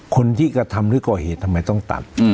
คนที่กระทำหรือก่อเหตุทำไมต้องตัด